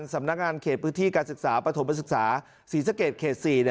สำนักงานเขตพื้นที่การศึกษาปฐมศึกษาศรีสะเกดเขต๔